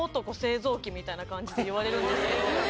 みたいな感じで言われるんですけど。